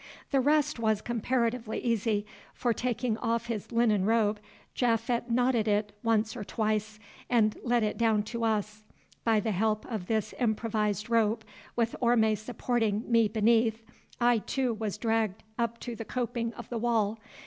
The rest was comparatively easy, for taking off his linen robe, Japhet knotted it once or twice, and let it down to us. By the help of this improvised rope, with Orme supporting me beneath, I, too, was dragged up to the coping of the wall.